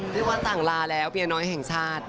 เรียกว่าต่างลาแล้วเปียน้อยแห่งชาติ